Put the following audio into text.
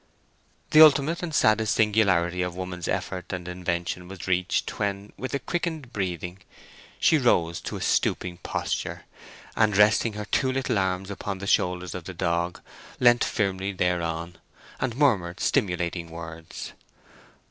The ultimate and saddest singularity of woman's effort and invention was reached when, with a quickened breathing, she rose to a stooping posture, and, resting her two little arms upon the shoulders of the dog, leant firmly thereon, and murmured stimulating words.